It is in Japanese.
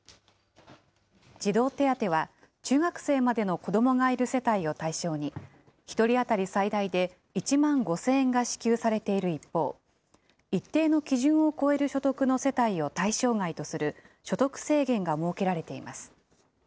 児童手当は、中学生までの子どもがいる世帯を対象に、１人当たり最大で１万５０００円が支給されている一方、一定の基準を超える所得の世帯を対象外とする所得制限が設けられています。